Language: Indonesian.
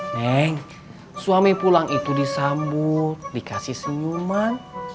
neng suami pulang itu disambut dikasih senyuman